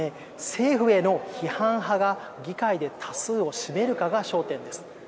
政府への批判派が議会で多数を占めるかが焦点です。